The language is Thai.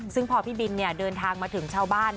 ซึ่งพอพี่บินเดินทางมาถึงชาวบ้าน